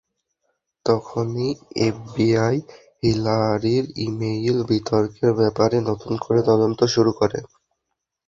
তখনই এফবিআই হিলারির ই-মেইল বিতর্কের ব্যাপারে নতুন করে তদন্ত শুরু করে।